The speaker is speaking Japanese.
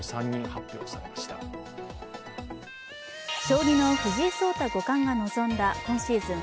将棋の藤井聡太五冠が臨んだ今シーズン